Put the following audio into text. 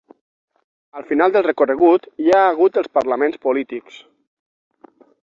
Al final del recorregut hi ha hagut els parlaments polítics.